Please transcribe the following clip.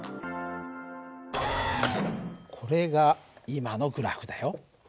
これが今のグラフだよ。